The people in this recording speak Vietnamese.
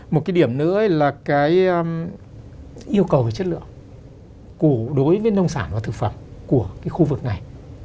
một cái điểm nữa là cái yêu cầu về chất lượng đối với nông sản và thực phẩm của cái khu vực này